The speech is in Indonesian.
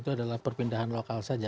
itu adalah perpindahan lokal saja